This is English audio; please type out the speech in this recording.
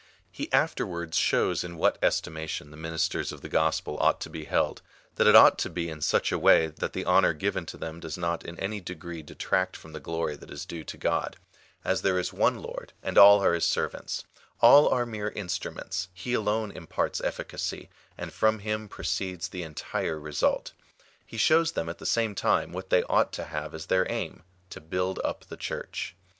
He after wards shows in what estimation the ministers of the gospel 42 THE ARGUMENT ON THE ought to be held — thcat it ought to be in such a way, that the honour given to them does not in any degree detract from the glory that is due to God — as there is one Lord, and all are his servants : all are mere instruments ; he alone im parts efficacy, and from him proceeds the entire result. He shows them, at the same time, what they ought to have as their aim — to build up the Church.